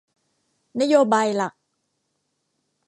นโยบายหลัก